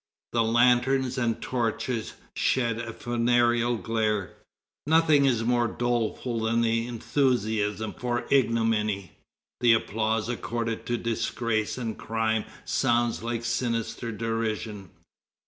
The lanterns and torches shed a funereal glare. Nothing is more doleful than enthusiasm for ignominy. The applause accorded to disgrace and crime sounds like sinister derision.